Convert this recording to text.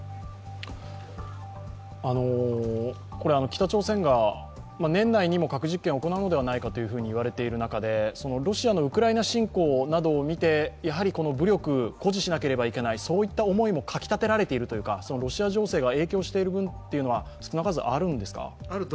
北朝鮮が年内にも核実験を行うのではないかと言われている中でロシアのウクライナ侵攻などを見てやはりこの武力を誇示しなければいけない、そういった思いもかきたてられているというかロシア情勢が影響しているというのはあるんですか？